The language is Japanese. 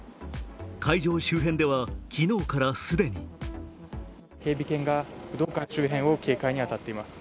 会場周辺では昨日から既に警備犬が武道館周辺を警戒に当たっています。